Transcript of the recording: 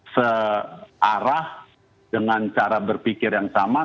searah dengan cara berpikir yang sama